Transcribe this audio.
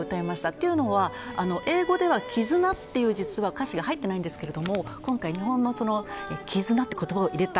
というのは、英語では絆という歌詞が入っていないんですが今回、日本の絆という言葉を入れた。